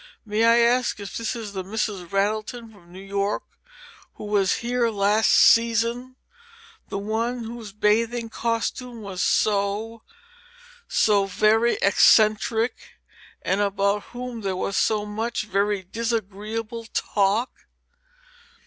May I ask if this is the Mrs. Rattleton from New York who was here last season, the one whose bathing costume was so so very eccentric, and about whom there was so much very disagreeable talk?"